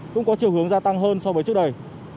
cũng có chiều hướng gia tăng hơn so với trước đây